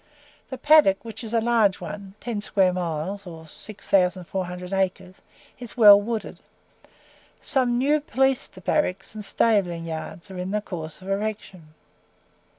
The paddock, which is a large one (10 square miles, or 6400 acres), is well wooded. Some new police barracks and stabling yards are in the course of erection.